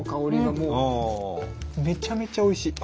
めちゃめちゃおいしい！